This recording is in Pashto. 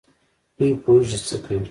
دوی پوهېږي چي څه کوي.